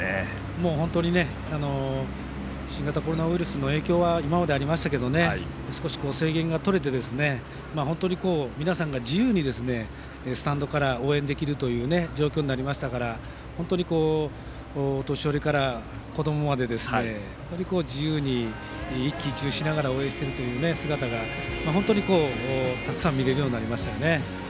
もう本当に新型コロナウイルスの影響が今までありましたけど少し制限がとれて皆さんが自由にスタンドから応援できる状況になったので本当にお年寄りから子どもまで自由に一喜一憂応援している姿が本当にたくさん見られるようになりました。